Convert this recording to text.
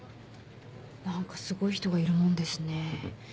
何かすごい人がいるもんですね。